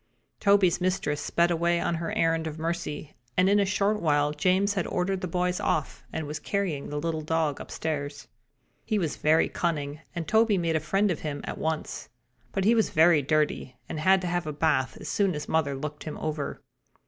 Toby's mistress sped away on her errand of mercy and in a short while James had ordered the boys off and was carrying the little dog upstairs. He was very cunning, and Toby made a friend of him at once, but he was very dirty and had to have a bath as soon as mother looked him over.